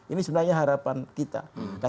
ini sebenarnya harapan kita